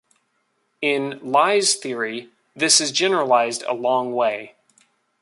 In Lie's theory, this is generalised a long way.